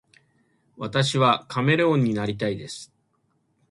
将来はカメレオンになりたいです